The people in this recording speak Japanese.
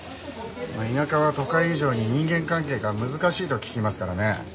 田舎は都会以上に人間関係が難しいと聞きますからね。